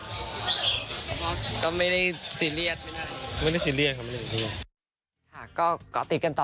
คุณพ่อก็ไม่ได้ซีเรียส